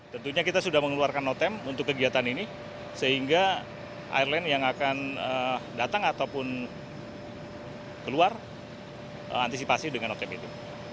tentunya kita sudah mengeluarkan notem untuk kegiatan ini sehingga airline yang akan datang ataupun keluar antisipasi dengan notem itu